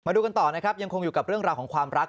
ดูกันต่อนะครับยังคงอยู่กับเรื่องราวของความรัก